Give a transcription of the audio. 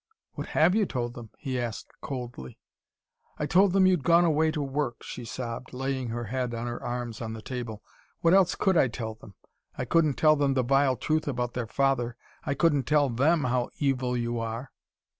"What HAVE you told them?" he asked coldly. "I told them you'd gone away to work," she sobbed, laying her head on her arms on the table. "What else could I tell them? I couldn't tell them the vile truth about their father. I couldn't tell THEM how evil you are."